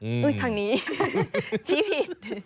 อุ๊ยทางนี้ชีวิต